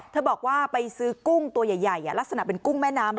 บอกว่าไปซื้อกุ้งตัวใหญ่ลักษณะเป็นกุ้งแม่น้ำ